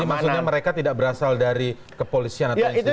jadi maksudnya mereka tidak berasal dari kepolisian atau institusi penegak hukum